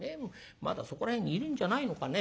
まだそこら辺にいるんじゃないのかね。